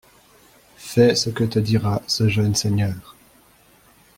Fais ce que te dira ce jeune seigneur.